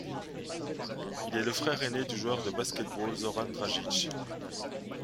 Il est le frère aîné du joueur de basket-ball Zoran Dragić.